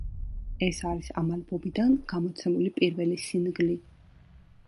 ეს არის ამ ალბომიდან გამოცემული პირველი სინგლი.